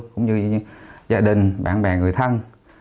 cũng như gia đình bạn bè người thân